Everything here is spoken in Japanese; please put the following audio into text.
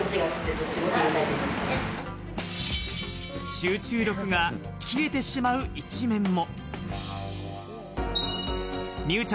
集中力が切れてしまう一面も。